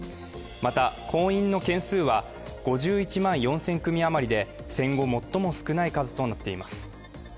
また婚姻の件数は５１万４０００組余りで戦後、最も少ない数となっています